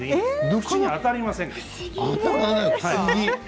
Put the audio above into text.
口に当たりません。